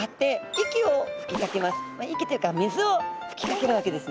息っていうか水を吹きかけるわけですね。